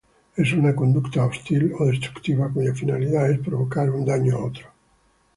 Es una conducta hostil o destructiva cuya finalidad es provocar un daño a otro.